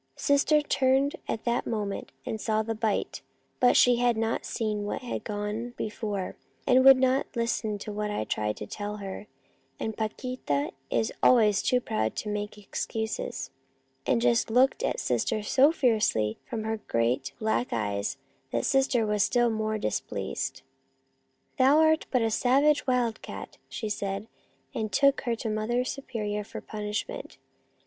Sister turned at that moment and saw the bite, but she had 68 Our Little Spanish Cousin not seen what had gone before, and would not listen to what I tried to tell her, and Paquita is always too proud to try to make excuses, and just looked at Sister so fiercely from her great black eyes that the Sister was still more displeased. " c Thou art but a savage wildcat,* she said, and took her to Mother Superior for punish ment.